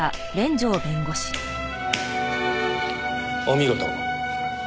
お見事。